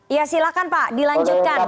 ya silahkan pak dilanjutkan